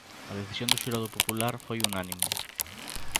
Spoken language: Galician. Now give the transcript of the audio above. A decisión do xurado popular foi unánime.